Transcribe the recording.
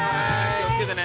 気を付けてね。